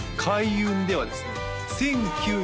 開運ではですね